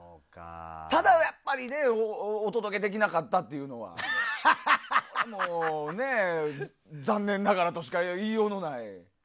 ただ、やっぱりお届けできなかったっていうのはもうね、残念ながらとしか言いようがない。